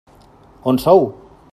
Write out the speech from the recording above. On sou?